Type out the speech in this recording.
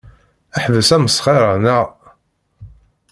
Ḥbes asmesxer-a, naɣ?